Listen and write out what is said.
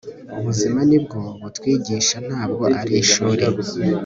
Ubuzima ni bwo butwigisha ntabwo ari ishuri